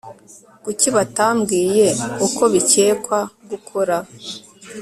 kuki batambwiye uko bikekwa gukora